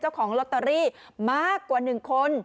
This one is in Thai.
เจ้าของลอตเตอรี่มากกว่า๑คน